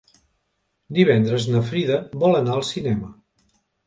Divendres na Frida vol anar al cinema.